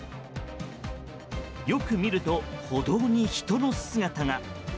よく見ると、歩道に人の姿が。